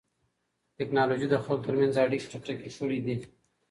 تکنالوژي د خلکو ترمنځ اړیکې چټکې کړې دي.